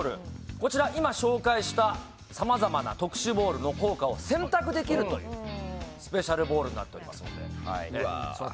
こちらは今紹介したさまざまな特殊ボールの効果を選択できるというスペシャルボールになっています。